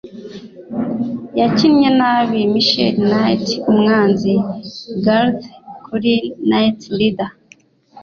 Yakinnye nabi Michael Knight umwanzi Garthe kuri "Knight Rider"